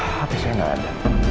hati saya gak ada